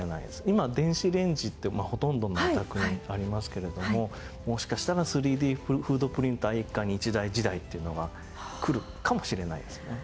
今電子レンジってほとんどのお宅にありますけれどももしかしたら３Ｄフードプリンター一家に一台時代っていうのが来るかもしれないですよね。